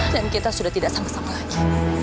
dan kita sudah tidak sama sama lagi